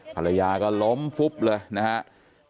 ภรรยาก็ล้มฟุบเลยนะครับ